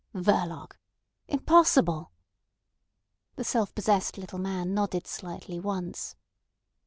"Verloc! Impossible." The self possessed little man nodded slightly once.